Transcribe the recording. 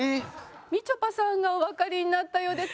みちょぱさんがおわかりになったようです。